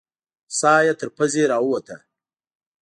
ساه یې تر پزې راووته.